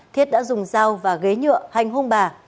thiết đã dùng dao và ghế nhựa hành hung bà